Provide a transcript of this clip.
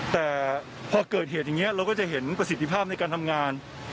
แต่พอเกิดเหตุอย่างนี้เราก็จะเห็นประสิทธิภาพในการทำงาน